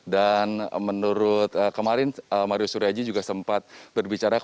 dan menurut kemarin mario suryo aji juga sempat berbicara